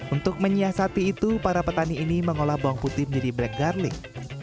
untuk menyiasati itu para petani ini mengolah bawang putih menjadi black garling